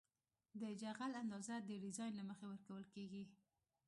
د جغل اندازه د ډیزاین له مخې ورکول کیږي